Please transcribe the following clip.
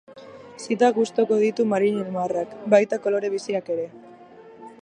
Zitak gustuko ditu marinel marrak, baita kolore biziak ere.